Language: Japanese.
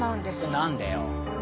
何でよ？